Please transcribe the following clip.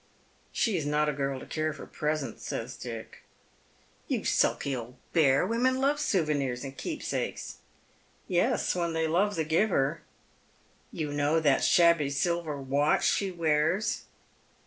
" She is not a girl to care for presents," says Dick. "You sulky old bear ! women love souvenirs and keepsakes." " Yes, when they love the giver." " You know that shabby silver watch she wears."